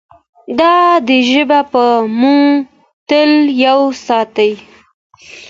دا ژبه به مو تل یوه ساتي.